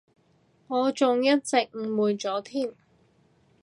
我仲一直誤會咗添